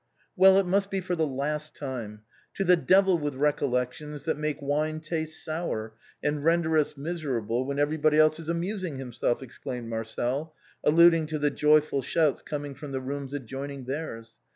" Well, it must be for the last time. To the devil with recollections that make wine taste sour and render us miserable when everybody else is amusing himself," ex claimed Marcel, alluding to the joyful shouts coming from the rooms adjoining theirs.